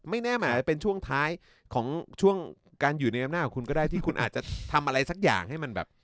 แน่หมายเป็นช่วงท้ายของช่วงการอยู่ในอำนาจของคุณก็ได้ที่คุณอาจจะทำอะไรสักอย่างให้มันแบบ